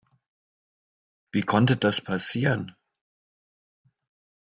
Wie konnte das passieren?